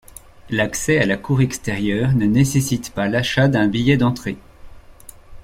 L'accès à la cour extérieure ne nécessite pas l'achat d'un billet d'entrée.